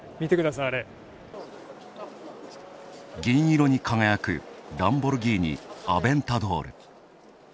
銀色に輝くランボルギーニ・アヴェンタドール。